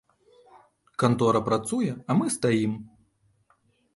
Кантора працуе, а мы стаім.